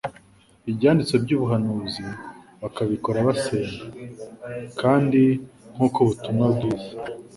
Ibyanditswe by'ubuhanuzi bakabikora basenga. Kandi nk'uko ubutumwa bwiza